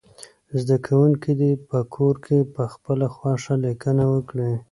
زده کوونکي دې په کور کې پخپله خوښه لیکنه وکړي.